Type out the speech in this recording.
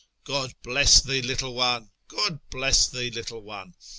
(" God bless thee, little one ! God bless thee, little one